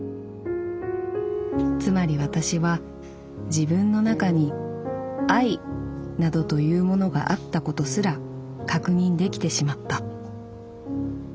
つまり私は自分の中に『愛』などというものがあったことすら確認できてしまった」。